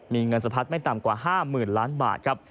มีเงินสะพัดไม่ต่ำกว่า๕๐๐๐ล้านบาทครับ